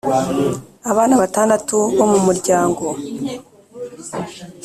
abana batandatu bo mu muryango